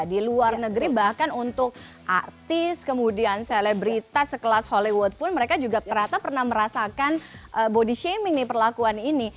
di luar negeri bahkan untuk artis kemudian selebritas sekelas hollywood pun mereka juga ternyata pernah merasakan body shaming nih perlakuan ini